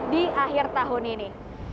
di akhir tahun ini